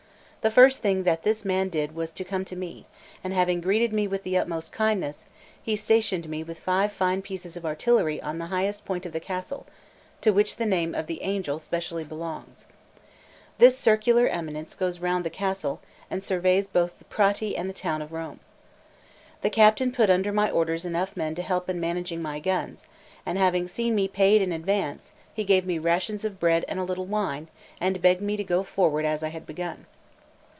The first thing this man did was to come to me, and having greeted me with the utmost kindness, he stationed me with five fine pieces of artillery on the highest point of the castle, to which the name of the Angel specially belongs. This circular eminence goes round the castle, and surveys both Prati and the town of Rome. The captain put under my orders enough men to help in managing my guns, and having seen me paid in advance, he gave me rations of bread and a little wine, and begged me to go forward as I had begun.